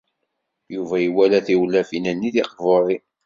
Yuba iwala tiwlafin-nni tiqburin.